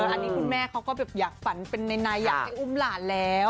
อันนี้คุณแม่เขาก็แบบอยากฝันเป็นในอยากให้อุ้มหลานแล้ว